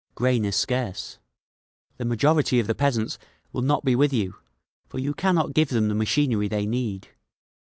Grain is scarce. The majority of the peasants will not be with you, for you cannot give them the machinery they need.